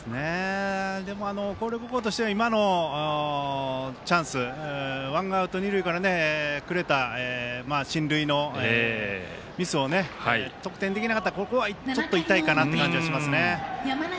でも、広陵高校としては今のチャンスワンアウト、二塁からねくれた進塁のミスを得点できなかったところはちょっと痛いかなと思いますね。